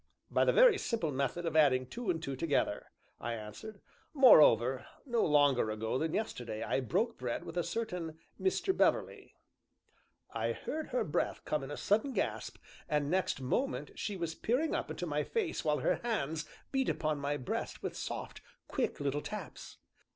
"By the very simple method of adding two and two together," I answered; "moreover, no longer ago than yesterday I broke bread with a certain Mr. Beverley " I heard her breath come in a sudden gasp, and next moment she was peering up into my face while her hands beat upon my breast with soft, quick little taps.